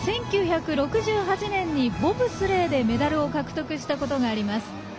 １９６８年にボブスレーでメダルを獲得したことがあります。